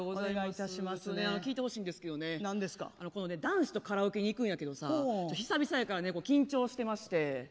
聞いてほしいことあるんですけどね男子とカラオケ行くんですけど久々やからね、緊張してまして。